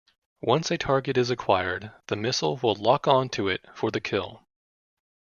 Once a target is acquired, the missile will lock-on to it for the kill.